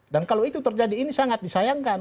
dan kalau itu terjadi ini sangat disayangkan